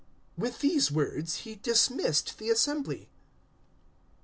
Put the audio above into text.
019:041 With these words he dismissed the assembly.